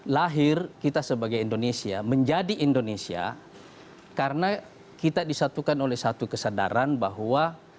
lahir kita sebagai indonesia menjadi indonesia karena kita disatukan oleh satu kesadaran bahwa